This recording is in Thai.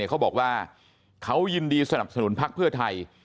เขาบอกว่าเขายินดีสนับสนุนพักเพื่อไทย